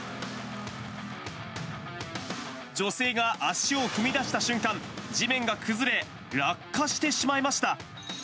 女性が足を踏み出した瞬間、地面が崩れ、落下してしまいました。